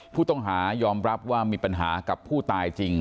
ผู้ต้องหายอมรับว่ามีปัญหากับผู้ตายจริง